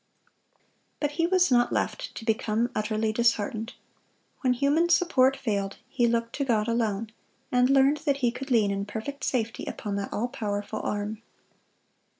(177) But he was not left to become utterly disheartened. When human support failed, he looked to God alone, and learned that he could lean in perfect safety upon that all powerful arm.